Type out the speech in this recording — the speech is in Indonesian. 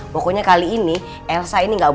pokoknya kali ini elsa ada hubungannya bu